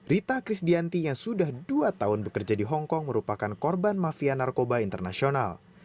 rita krisdianti yang sudah dua tahun bekerja di hongkong merupakan korban mafia narkoba internasional